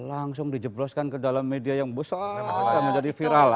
langsung dijebloskan ke dalam media yang besar